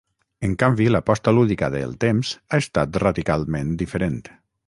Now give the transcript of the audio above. En canvi, l'aposta lúdica de "El Temps" ha estat radicalment diferent.